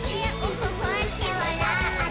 ふっふってわらって」